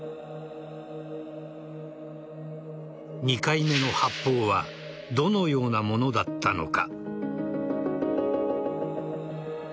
２回目の発砲はどのようなものだったのか。